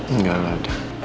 enggak lah ada